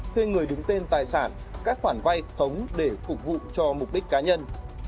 thuê người đứng tên tài sản các khoản vay khống để phục vụ cho mục đích cá nhân